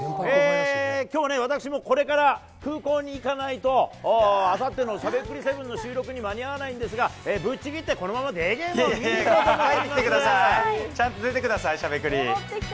きょうね、私もこれから空港に行かないと、あさってのしゃべくり００７の収録に間に合わないんですが、ぶっちぎってこのままデーゲームを見ていこうと思います。